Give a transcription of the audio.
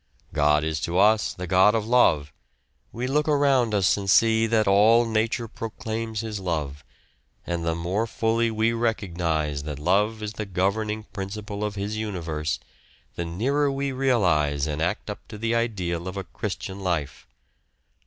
God is to us the God of Love. We look around us and see that all nature proclaims His love, and the more fully we recognise that love is the governing principle of His universe, the nearer we realise and act up to the ideal of a Christian life.